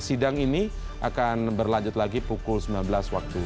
sidang ini akan berlanjut lagi pukul sembilan belas waktu